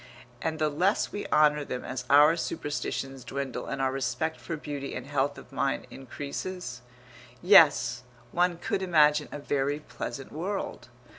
And the less we honour them as our superstitions dwindle and our respect for beauty and health of mind increases.... Yes, one could imagine a very pleasant world.